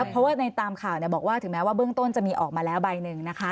เพราะว่าในตามข่าวบอกว่าถึงแม้ว่าเบื้องต้นจะมีออกมาแล้วใบหนึ่งนะคะ